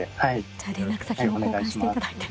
じゃあ連絡先交換していただいて。